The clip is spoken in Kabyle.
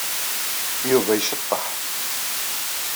Yuba iceḍḍeḥ.